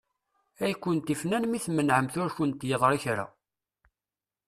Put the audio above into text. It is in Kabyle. Ay kent-ifnan mi tmenεemt ur kent-yeḍri kra.